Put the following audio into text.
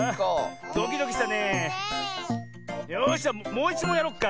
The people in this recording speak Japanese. よしじゃもういちもんやろっか！